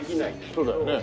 そうだよね。